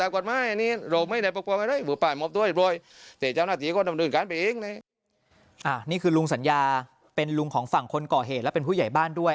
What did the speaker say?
คนก่อเหตุและเป็นผู้ใหญ่บ้านด้วย